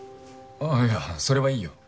あいやそれはいいよ。